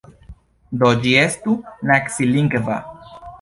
Do, ĝi estu nacilingva.